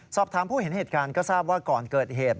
สอบถามผู้เห็นเหตุการณ์ก็ทราบว่าก่อนเกิดเหตุ